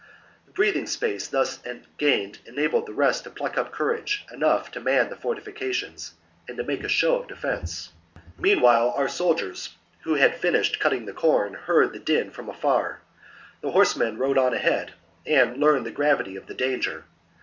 The breathing space thus gained enabled the rest to pluck up courage enough to man the fortifications and make a show of defence. TheSu 39. Meanwhile our soldiers, who had finished attack the cuttiug thc com, heard the din from afar. The horsemen rode on ahead, and learned the gravity of the danger.